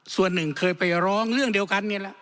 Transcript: ส่วนหนึ่งเคยไปร้องเรื่องเดียวกันนี่แหละ